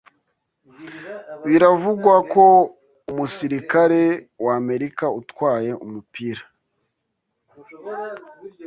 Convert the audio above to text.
Biravugwa ko umusirikare w’Amerika utwaye "Umupira"